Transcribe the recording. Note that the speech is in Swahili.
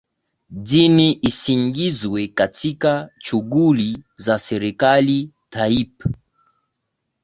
dini isiingizwe katika shughuli za serekali Tayyip